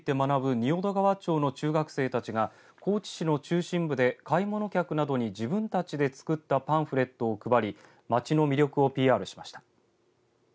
仁淀川町の中学生たちが高知市の中心部で買い物客などに自分たちで作ったパンフレットを配り町の魅力をＰＲしました。